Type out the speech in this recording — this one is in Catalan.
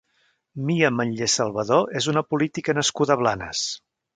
Mia Ametller Salvador és una política nascuda a Blanes.